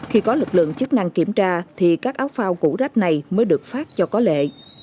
khi có lực lượng chức năng kiểm tra thì các áo phao củ rác này mới được phát cho có lệ